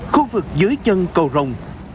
khu vực dưới chân cầu rồng